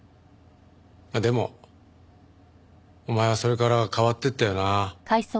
まあでもお前はそれから変わっていったよな。